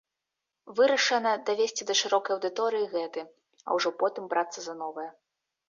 Вырашана давесці да шырокай аўдыторыі гэты, а ўжо потым брацца за новае.